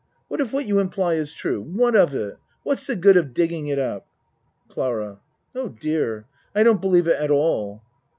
What if what you imply is true. What of it? What's the good of digging it up? CLARA Oh, dear! I don't believe it at all.